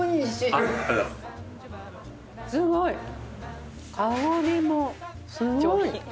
すごい。